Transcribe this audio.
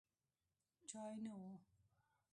چای نه و.